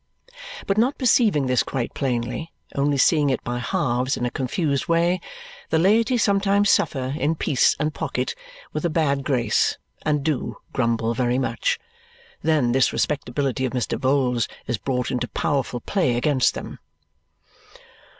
But not perceiving this quite plainly only seeing it by halves in a confused way the laity sometimes suffer in peace and pocket, with a bad grace, and DO grumble very much. Then this respectability of Mr. Vholes is brought into powerful play against them.